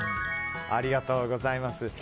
ありがとうございます。